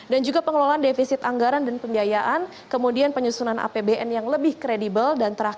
dan juga pengelolaan defisit anggaran dan pendayaan kemudian penyusunan apbn yang lebih kredibel